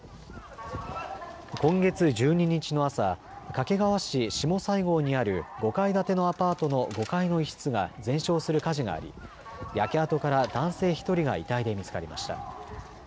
今月１２日の朝、掛川市下西郷にある５階建てのアパートの５階の一室が全焼する火事があり焼け跡から男性１人が遺体で見つかりました。